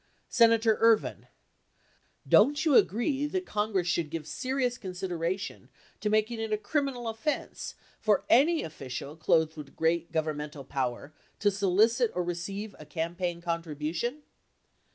Senator Ervin. Don't you agree that Congress should give serious consideration to making it a criminal offense for any 69 13 Hearings 5479 . 472 official clothed with great governmental power to solicit or receive a campaign contribution